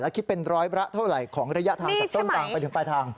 คิดเป็นร้อยละเท่าไหร่ของระยะทางจากต้นทางไปถึงปลายทาง